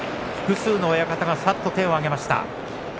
複数の親方がさっと手を挙げました。